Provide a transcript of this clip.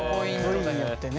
部位によってね。